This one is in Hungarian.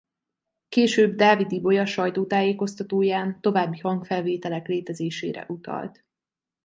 Később Dávid Ibolya sajtótájékoztatóján további hangfelvételek létezésére utalt.